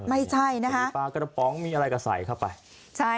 ไม่ใช่นะคะ